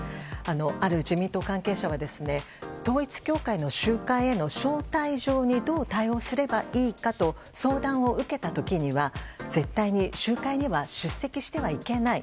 ある自民党関係者は統一教会の集会への招待状にどう対応すればいいか相談を受けた時は絶対に集会には出席してはいけない。